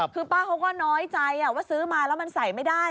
คือป้าเขาก็น้อยใจว่าซื้อมาแล้วมันใส่ไม่ได้